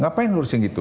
ngapain ngurusin gitu